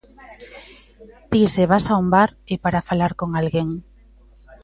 Ti se vas a un bar é para falar con alguén.